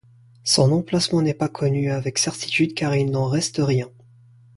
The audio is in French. Son emplacement n'est pas connu avec certitude car il n'en reste rien.